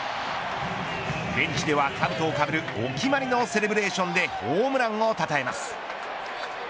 ベンチではかぶとをかぶるお決まりのセレブレーションでホームランをたたえます。